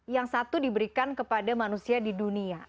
yang satu diberikan kepada manusia di dunia